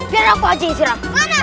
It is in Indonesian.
biar aku aja yang siram